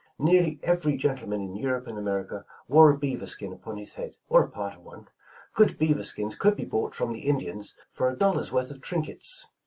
Nearly every gentleman in Europe and Aan erica wore a beaver skin upon his head, or a part of one. Good beaver skins could be bought from the Indians for a dollar's worth of trinkets.